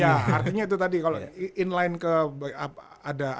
ya artinya itu tadi kalo inline ke ada